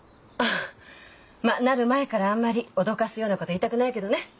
ああなる前からあんまり脅かすようなこと言いたくないけどね。